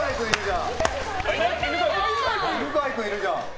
犬飼君いるじゃん。